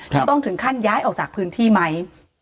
จะต้องถึงขั้นย้ายออกจากพื้นที่ไหม